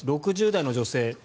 ６０代の女性。